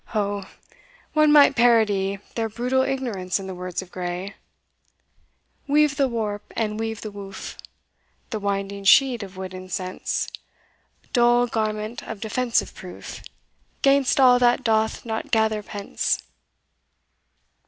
Oh, one might parody their brutal ignorance in the words of Gray: Weave the warp and weave the woof, The winding sheet of wit and sense, Dull garment of defensive proof, 'Gainst all that doth not gather pence."